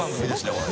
これ。